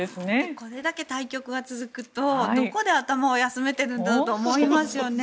これだけ対局が続くとどこで頭を休めているんだろうと思いますよね。